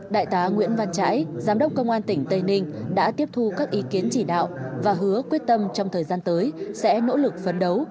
đại tá nguyễn văn trãi giám đốc công an tỉnh tây ninh đã tiếp thu các ý kiến chỉ đạo và hứa quyết tâm trong thời gian tới sẽ nỗ lực phấn đấu